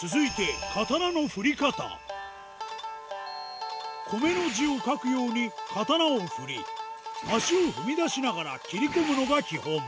続いて「米」の字を描くように刀を振り足を踏み出しながら切り込むのが基本ヤァ！